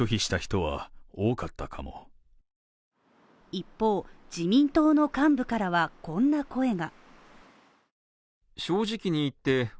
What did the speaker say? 一方、自民党の幹部からはこんな声が。